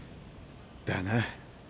だな。